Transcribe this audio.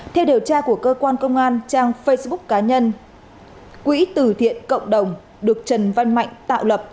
theo điều tra của cơ quan công an trang facebook cá nhân quỹ từ thiện cộng đồng được trần văn mạnh tạo lập